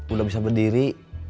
udah bisa berdiri